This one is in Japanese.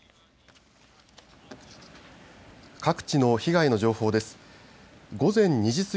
各地の被害の情報です。